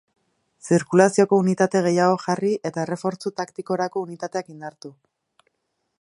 Zirkulazioko unitate gehiago jarri eta errefortzu taktikorako unitateak indartu.